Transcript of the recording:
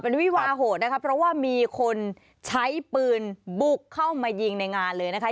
วิวาโหดนะคะเพราะว่ามีคนใช้ปืนบุกเข้ามายิงในงานเลยนะคะ